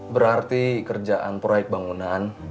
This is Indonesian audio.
berarti kerjaan proyek bangunan